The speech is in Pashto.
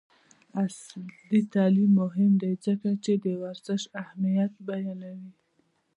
عصري تعلیم مهم دی ځکه چې د ورزش اهمیت بیانوي.